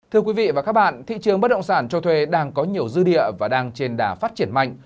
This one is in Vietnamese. thưa quý vị và các bạn thị trường bất động sản cho thuê đang có nhiều dư địa và đang trên đà phát triển mạnh